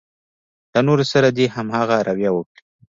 له نورو سره دې هماغه رويه وکړي.